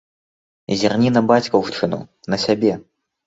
Зірні на бацькаўшчыну, на сябе!